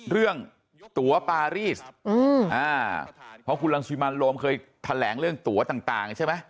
เรื่องตัวปารีสเพราะคุณลังสุยมันโรมเคยทะแหลงเรื่องตั๋วต่าง